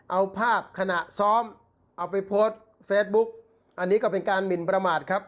เอาภาพขณะซ้อมเอาไปโพสต์เฟซบุ๊กอันนี้ก็เป็นการหมินประมาทครับ